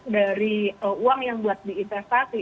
dari uang yang buat diinvestasi